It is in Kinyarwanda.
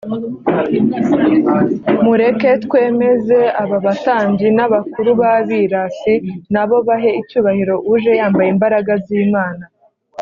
mureke twemeze aba batambyi n’abakuru b’abirasi na bo bahe icyubahiro uje yambaye imbaraga z’imana